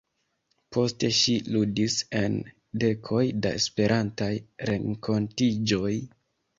Poste ŝi ludis en dekoj da Esperantaj renkontiĝoj.